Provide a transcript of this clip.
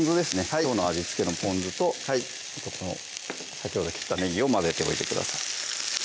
きょうの味付けのぽん酢とこの先ほど切ったねぎを混ぜておいてください